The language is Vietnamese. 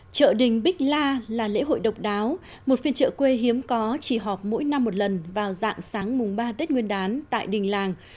chợ đình bích la là lễ hội độc đáo một phiên chợ quê hiếm có chỉ họp mỗi năm một lần vào dạng sáng mùng ba tết nguyên đán tại đình làng